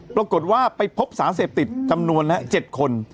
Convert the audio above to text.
ปรากฏว่าไปพบสารเสพติดจำนวน๗คน